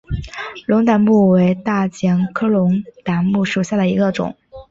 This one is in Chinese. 龙胆木为大戟科龙胆木属下的一个种。